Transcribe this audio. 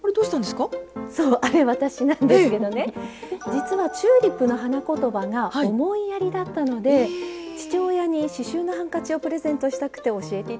実はチューリップの花言葉が「思いやり」だったので父親に刺しゅうのハンカチをプレゼントしたくて教えて頂きました。